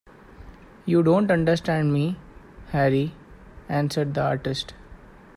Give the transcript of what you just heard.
"You don't understand me, Harry," answered the artist.